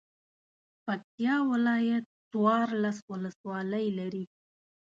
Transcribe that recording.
پکتیا ولایت څوارلس ولسوالۍ لري.